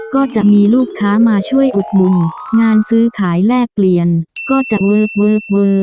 ก็จะมีลูกค้ามาช่วยอุดมูมงานซื้อขายแลกเปลี่ยนก็จะเวิร์พ